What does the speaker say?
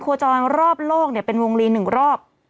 โครจรรอบโลกเนี่ยเป็นวงลีหนึ่งรอบ